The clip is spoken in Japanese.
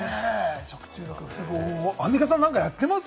食中毒を防ぐ方法、アンミカさん、何かやってます？